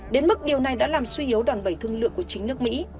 đến mức điều này đã làm suy yếu đòn bẩy thương lượng của chính nước mỹ